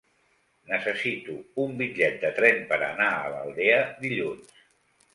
Necessito un bitllet de tren per anar a l'Aldea dilluns.